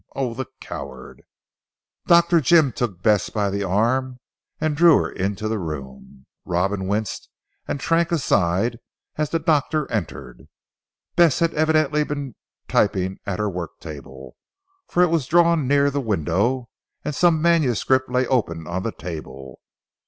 Oh, the coward!" Dr. Jim took Bess by the arm and drew her into the room. Robin winced and shrank aside as the doctor entered. Bess had evidently been typing at her worktable, for it was drawn near the window, and some manuscript lay open on the table.